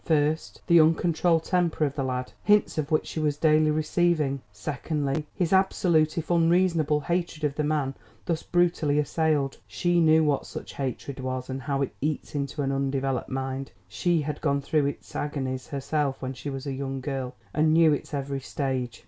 First: the uncontrolled temper of the lad, hints of which she was daily receiving. Secondly: his absolute, if unreasonable, hatred of the man thus brutally assailed. She knew what such hatred was and how it eats into an undeveloped mind. She had gone through its agonies herself when she was a young girl, and knew its every stage.